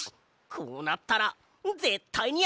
こうなったらぜったいにあてるぞ！